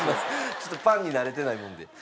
ちょっとパンに慣れてないもんで。